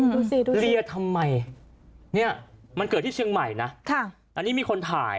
เหรียทำไมมันเกิดที่เชียงใหม่อันนี้มีคนถ่าย